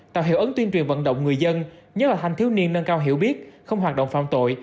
tạo hiệu ứng tuyên truyền vận động người dân nhất là thanh thiếu niên nâng cao hiểu biết không hoạt động phạm tội